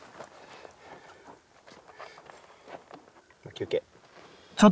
休憩。